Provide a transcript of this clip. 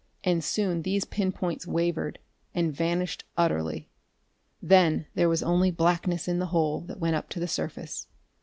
And soon these pin points wavered, and vanished utterly. Then there was only blackness in the hole that went up to the surface.